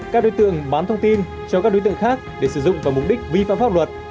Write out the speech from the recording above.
các đối tượng bán thông tin cho các đối tượng khác để sử dụng vào mục đích vi phạm pháp luật